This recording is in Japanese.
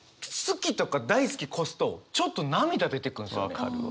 分かるわ。